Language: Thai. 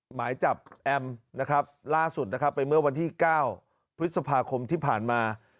หมายจับแอมนะครับล่าสุดนะครับไปเมื่อวันที่๙พฤษภาคมที่ผ่านมา